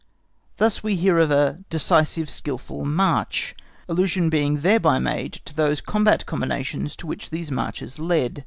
Thus we hear of a decisive skilful march, allusion being thereby made to those combat combinations to which these marches led.